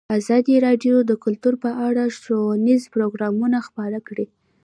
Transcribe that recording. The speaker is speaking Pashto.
ازادي راډیو د کلتور په اړه ښوونیز پروګرامونه خپاره کړي.